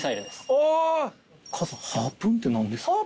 ハープーンって何ですか？